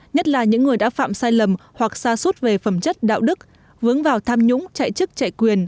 nhất là những người đã phạm sai lầm hoặc xa suốt về phẩm chất đạo đức vướng vào tham nhũng chạy chức chạy quyền